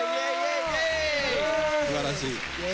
（すばらしい。